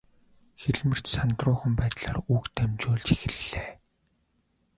Хэлмэрч сандруухан байдлаар үг дамжуулж эхэллээ.